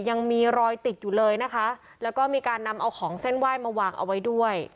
ยังมีรอยติดอยู่เลยนะคะแล้วก็มีการนำเอาของเส้นไหว้มาวางเอาไว้ด้วย